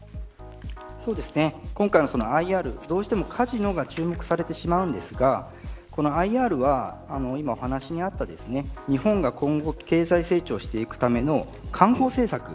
今回のＩＲどうしてもカジノが注目されてしまうんですがこのＩＲは今お話にあった日本が今後経済成長していくための観光政策